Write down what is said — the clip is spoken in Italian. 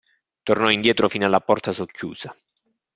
Tornò indietro fino alla porta socchiusa.